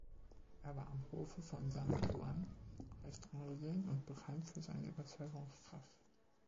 Er war am Hofe von Sun Quan recht angesehen und bekannt für seine Überzeugungskraft.